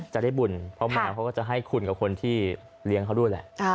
จะได้บุญเพราะแมวเขาก็จะให้คุณกับคนที่เลี้ยงเขาด้วยแหละ